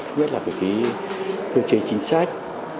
thứ nhất là về cái cơ chế chính sách